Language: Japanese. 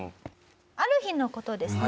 ある日の事ですね